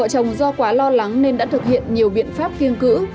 chồng do quá lo lắng nên đã thực hiện nhiều biện pháp kiêng cữ